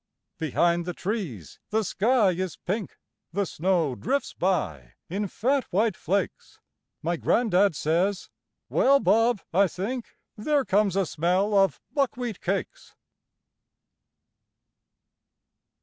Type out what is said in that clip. Behind the trees the sky is pink, The snow drifts by in fat white flakes, My gran'dad says: "Well, Bob, I think There comes a smell of buckwheat cakes."